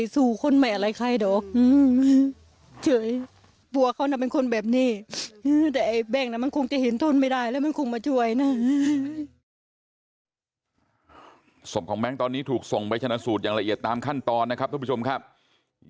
ศพของแบงค์ตอนนี้ถูกส่งไปชนะสูตรอย่างละเอียดตามขั้นตอนนะครับทุกผู้ชมครับ